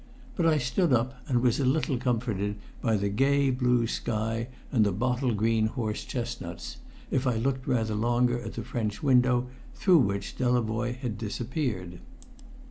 But I stood up and was a little comforted by the gay blue sky and the bottle green horse chestnuts, if I looked rather longer at the French window through which Delavoye had disappeared.